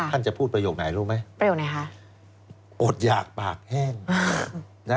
จะพูดประโยคไหนรู้ไหมประโยคไหนคะอดหยากปากแห้งนะ